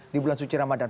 di bulan suci ramadan